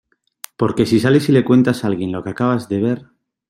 porque si sales y le cuentas o alguien lo que acabas de ver...